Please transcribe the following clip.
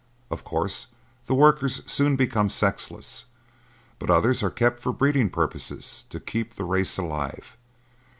Of course the workers soon become sexless, but others are kept for breeding purposes to keep the race alive.